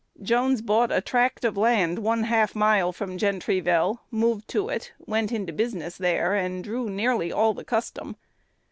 Jones bought a tract of land one half mile from Gentryville, moved to it, went into business there, and drew nearly all the custom.